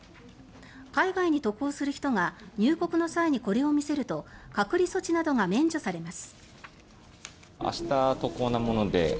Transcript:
海外に渡航する人が入国の際にこれを見せると隔離措置などが免除されます。